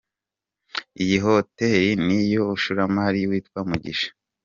Iyi hoteli ni y’umushoramari witwa Mugisha.